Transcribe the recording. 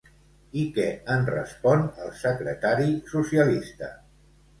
I què en respon el secretari socialista?